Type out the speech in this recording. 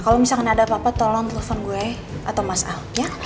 kalau misalkan ada apa apa tolong telepon gue atau mas ahok